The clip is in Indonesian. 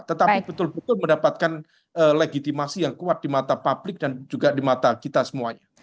tetapi betul betul mendapatkan legitimasi yang kuat di mata publik dan juga di mata kita semuanya